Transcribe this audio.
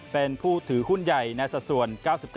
เป็นผู้ถือหุ้นใหญ่ในสัดส่วน๙๙